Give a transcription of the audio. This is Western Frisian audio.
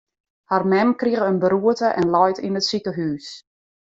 Har mem krige in beroerte en leit yn it sikehús.